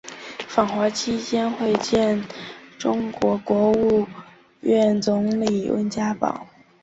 访华期间会见中国国务院总理温家宝。